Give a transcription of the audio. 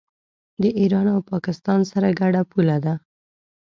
د ایران او پاکستان سره ګډه پوله ده.